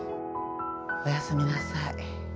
おやすみなさい。